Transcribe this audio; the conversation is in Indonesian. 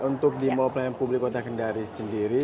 untuk di mall pelayanan publik kota kendari sendiri